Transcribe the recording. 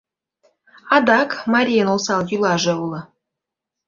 Адак, марийын осал йӱлаже уло.